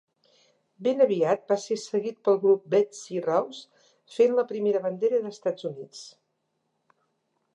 Ben aviat va ser seguit pel grup Betsy Ross fent la primera bandera d'Estats Units.